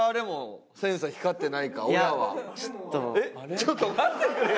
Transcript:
ちょっと待ってくれよ！